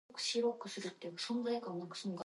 She resides in Tbilisi.